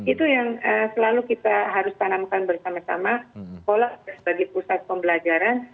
itu yang selalu kita harus tanamkan bersama sama sekolah sebagai pusat pembelajaran